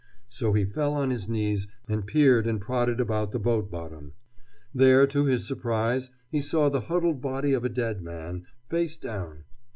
So he fell on his knees and peered and prodded about the boat bottom. There, to his surprise, he saw the huddled body of a dead man, face down.